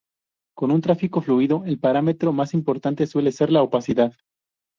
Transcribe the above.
Con un tráfico fluido, el parámetro más importante suele ser la opacidad.